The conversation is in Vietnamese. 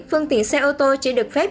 phương tiện xe ô tô chỉ được phép